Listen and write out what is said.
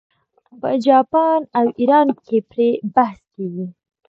په جاپان او ایران کې پرې بحث کیږي.